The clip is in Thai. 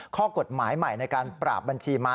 ข้อกฎหมายใหม่ในการปราบบัญชีมา